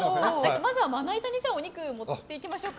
まずはまな板にお肉持っていきましょうか。